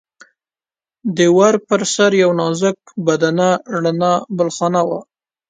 د ور پر سر یوه نازک بدنه رڼه بالاخانه وه.